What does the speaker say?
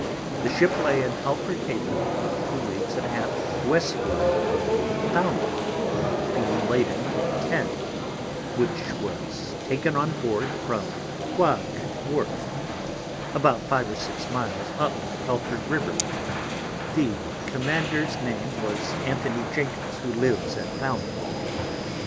_ The Ship lay in Helford Haven about two Leagues and a half Westward of Falmouth, being laden with Tin, which was taken on Board from Guague Wharf, about five or six miles up Helford River, the Commanders name was Anthony Jenkins, who lives at Falmouth.